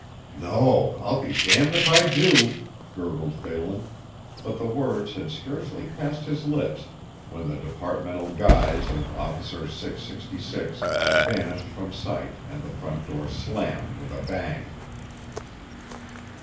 "No, I'll be damned if I do!" gurgled Phelan, but the words had scarcely passed his lips when the departmental guise of Officer 666 vanished from sight and the front door slammed with a bang.